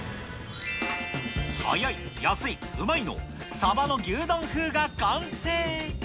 早い、安い、うまいのサバの牛丼風が完成。